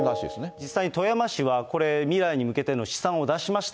実際に富山市はこれ、未来に向けての試算を出しました。